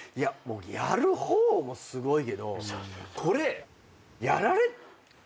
やる方もすごいけどこれやられ。